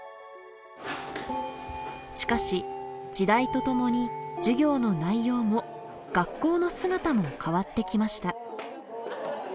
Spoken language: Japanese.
しかし時代とともに授業の内容も学校の姿も変わってきました。